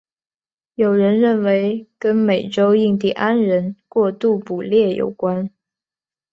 有人认为跟美洲印第安人过度捕猎有关。